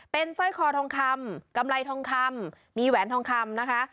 เป็นสร้อยคอทองคำกำไรทองคำมีแหวนทองคำนะคะ